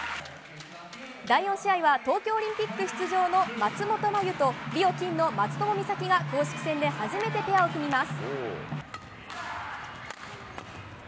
第４試合は東京オリンピック出場の松本麻佑とリオ、金の松友美佐紀が公式戦で初めてペアを組みます。